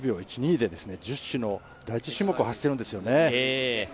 １０秒１２で１０種の第１種目を走っているんですね。